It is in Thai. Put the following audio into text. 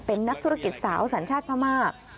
เป็นนักธุรกิจสาวสัญชาติพม่า